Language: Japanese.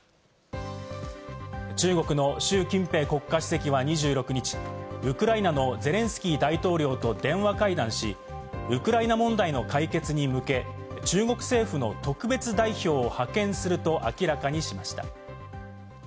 中国の習近平国家主席は２６日、ウクライナのゼレンスキー大統領と電話会談し、ウクライナ問題の解決に向け、中国政府の特別代表を派遣すると明らかにしました。